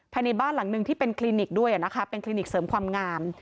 ภายในบ้านหลังหนึ่งที่เป็นคลินิกด้วยนะคะเป็นคลินิกเสริมความงาม